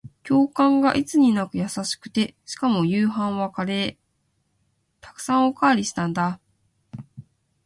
教官がいつになく優しくて、しかも夕飯はカレー。沢山おかわりしたんだ。